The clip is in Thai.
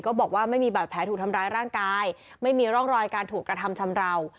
บอกว่าไม่มีบาดแผลถูกทำร้ายร่างกายไม่มีร่องรอยการถูกกระทำชำราว